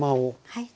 はい。